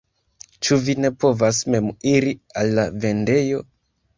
Ĉu vi ne povas mem iri al la vendejo?